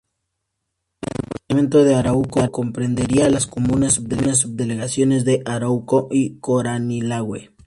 El departamento de Arauco comprendería las comunas subdelegaciones de Arauco y Curanilahue.